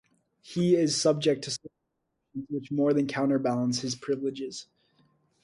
He is subject to certain restrictions which more than counterbalance his privileges.